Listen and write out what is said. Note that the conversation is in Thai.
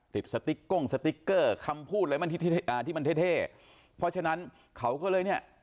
สติ๊กก้งสติ๊กเกอร์คำพูดอะไรมันที่มันเท่เท่เพราะฉะนั้นเขาก็เลยเนี่ย